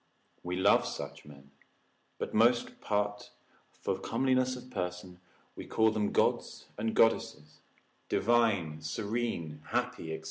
We love such men, but most part for comeliness of person, we call them gods and goddesses, divine, serene, happy, &c.